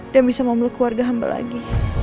dan bisa memiliki keluarga hamba lagi